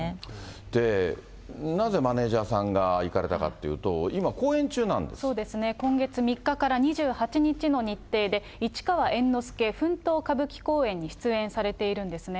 で、なぜマネージャーさんが行かれたかっていうと、今、公演中なんでそうですね。今月３日から２８日の日程で、市川猿之助奮闘歌舞伎公演に出演されているんですね。